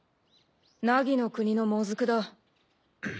凪の国のモズクだ。